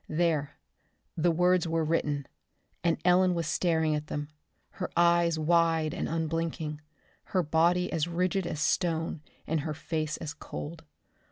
There, the words were written and Ellen was staring at them, her eyes wide and unblinking, her body as rigid as stone, and her face as cold.